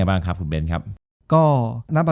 จบการโรงแรมจบการโรงแรม